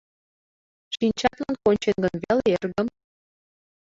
— Шинчатлан кончен гын веле, эргым?!